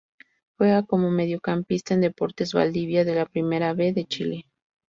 Juega como mediocampista en Deportes Valdivia de la Primera B de Chile.